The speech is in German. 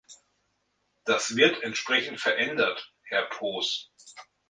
Das wird entsprechend verändert, Herr Poos.